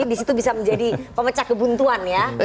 di situ bisa menjadi pemecah kebuntuan ya